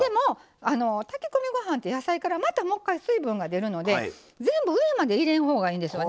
炊き込みご飯って野菜からまた、もう一回、水分が出るので全部上まで入れないほうがいいんですよね。